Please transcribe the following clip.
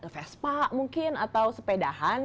vespa mungkin atau sepedahan